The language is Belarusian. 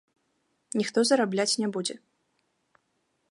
Ніхто зарабляць не будзе.